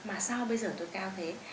mà sao bây giờ tôi cao thế